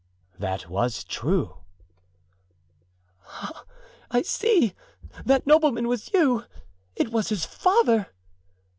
"That was true." "Ah! I see! That nobleman was you; it was his father!"